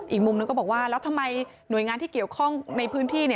อีกมุมนึงก็บอกว่าแล้วทำไมหน่วยงานที่เกี่ยวข้องในพื้นที่